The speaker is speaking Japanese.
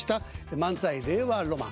漫才令和ロマン。